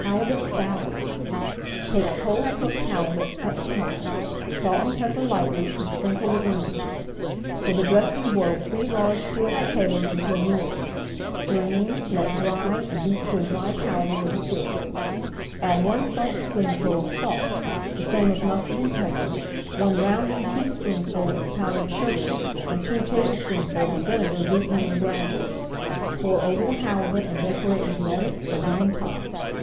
HALIBUT SALAD Take cold cooked halibut cut small, salt and pepper lightly, and sprinkle with lemon juice. For the dressing boil three large peeled potatoes until mealy. Drain, let dry, and [Page 184] beat to a dry powder with a fork. Add one saltspoonful of salt, the same of mustard and pepper, one rounding teaspoonful of powdered sugar, and two tablespoonfuls of vinegar beaten in gradually. Pour over the halibut and decorate with lettuce or green tops.